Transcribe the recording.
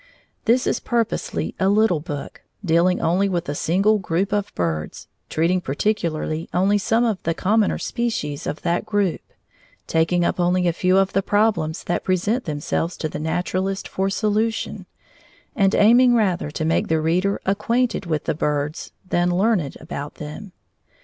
This is purposely a little book, dealing only with a single group of birds, treating particularly only some of the commoner species of that group, taking up only a few of the problems that present themselves to the naturalist for solution, and aiming rather to make the reader acquainted with the birds than learned about them.